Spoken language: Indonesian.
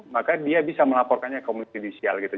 maka dia bisa melaporkannya komisi judisial gitu